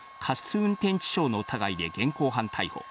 運転致傷の疑いで現行犯逮捕。